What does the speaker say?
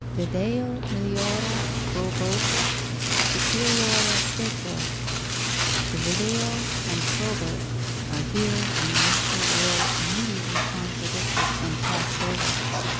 Video meliora proboque, deteriora sequor. The video and the probo are here an initial will immediately contradicted and passed over.